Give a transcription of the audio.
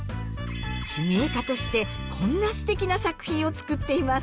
手芸家としてこんなすてきな作品を作っています。